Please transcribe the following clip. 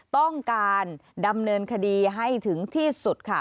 ต้องการดำเนินคดีให้ถึงที่สุดค่ะ